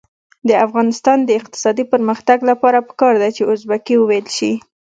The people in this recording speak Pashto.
د افغانستان د اقتصادي پرمختګ لپاره پکار ده چې ازبکي وویل شي.